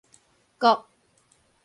谷